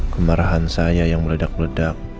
kemarahan saya yang meledak meledak